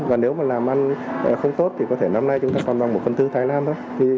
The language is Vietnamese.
và nếu mà làm ăn không tốt thì có thể năm nay chúng ta còn bằng một phần tư thái lan thôi